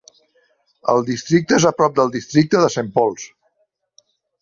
El districte és a prop del districte de Saint Pauls.